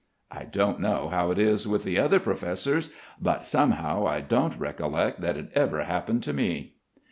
"I don't know how it is with the other professors, but somehow I don't recollect that it ever happened to me."